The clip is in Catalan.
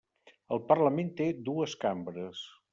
El Parlament té dues cambres.